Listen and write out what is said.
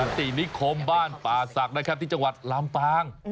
ตินิคมบ้านป่าศักดิ์นะครับที่จังหวัดลำปาง